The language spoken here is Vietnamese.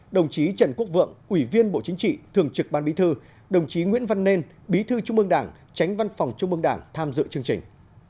đồng chí trần quốc vượng ủy viên bộ chính trị thường trực ban bí thư đồng chí nguyễn văn nên bí thư trung mương đảng tránh văn phòng trung mương đảng tham dự chương trình